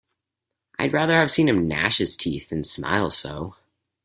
I’d rather have seen him gnash his teeth than smile so.